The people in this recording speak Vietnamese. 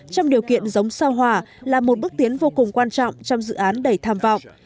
trong điều kiện giống sao hỏa là một bước tiến vô cùng quan trọng trong dự án đầy tham vọng